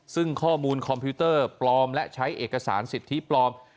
ซึ่งข้อมูลคอมพิวเตอร์ปลอมและใช้เอกสารสิทธิปลอม